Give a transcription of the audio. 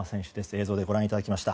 映像でご覧いただきました。